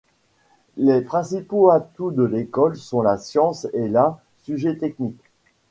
Les principaux atouts de l'école sont la science et la sujets techniques.